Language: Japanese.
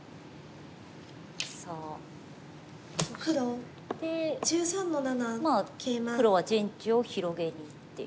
さあそしてまあ黒は陣地を広げにいっている感じ。